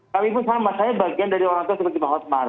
kami pun sama saya bagian dari orang tua seperti pak hotmar